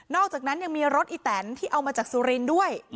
อกจากนั้นยังมีรถอีแตนที่เอามาจากสุรินทร์ด้วย